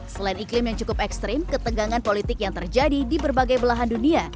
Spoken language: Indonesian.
selain iklim yang cukup ekstrim ketegangan politik yang terjadi di berbagai belahan dunia